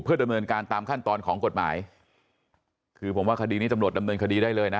ดำเนินการตามขั้นตอนของกฎหมายคือผมว่าคดีนี้ตำรวจดำเนินคดีได้เลยนะ